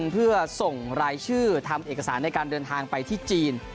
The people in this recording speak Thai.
เพื่อส่งรายชื่อทำเอกสารในการเดินทางไปที่จีน